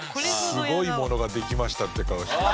すごいものができましたって顔してる。